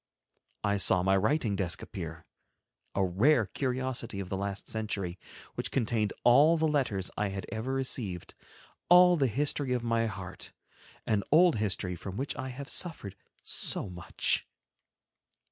I saw my writing desk appear, a rare curiosity of the last century, which contained all the letters I had ever received, all the history of my heart, an old history from which I have suffered so much!